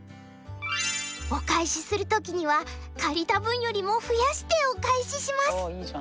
お返しするときには借りた分よりも増やしてお返しします」。